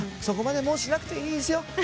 そこまでしなくていいですよ」